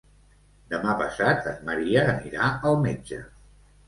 Demà passat en Maria anirà al metge.